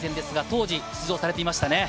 当時、出場されていましたね。